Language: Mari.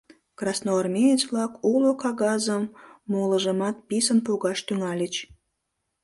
Красноармеец-влак уло кагазым, молыжымат писын погаш тӱҥальыч.